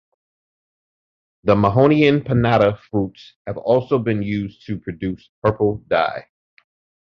The "Mahonia pinnata" fruits have also been used to produce purple dye.